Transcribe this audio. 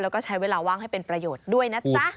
แล้วก็ใช้เวลาว่างให้เป็นประโยชน์ด้วยนะจ๊ะ